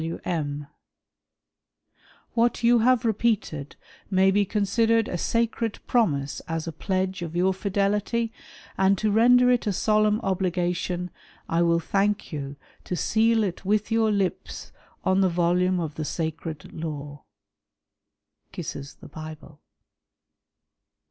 " W. M. — What you have repeated may be considered a " sacred promise as a pledge of your fidelity, and to render it a '' solemn obligation, I will thank you to seal it with your lips on " the volume of the sacred law." {Kisses the Bible.)